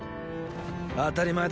当たり前だ。